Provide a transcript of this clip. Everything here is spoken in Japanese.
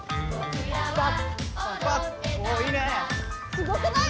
すごくない？